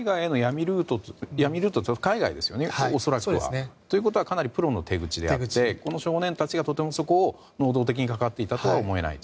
闇ルートって海外ですよね、恐らくは。ということはかなりプロの手口であってこの少年たちが、そこも能動的に関わっていたとは思えないと。